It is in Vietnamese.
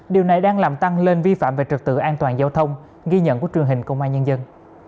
điều này đang làm tăng lên vi phạm về trực tự an toàn giao thông ghi nhận của truyền hình công an nhân dân